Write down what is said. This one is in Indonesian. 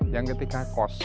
yang ketiga kos